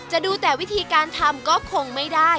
ดูแต่วิธีการทำก็คงไม่ได้